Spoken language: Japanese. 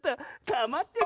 かまってよ